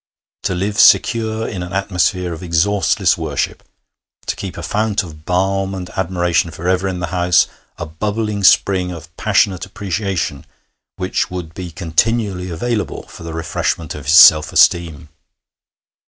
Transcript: To live secure in an atmosphere of exhaustless worship; to keep a fount of balm and admiration for ever in the house, a bubbling spring of passionate appreciation which would be continually available for the refreshment of his self esteem!